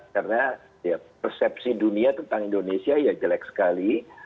karena persepsi dunia tentang indonesia ya jelek sekali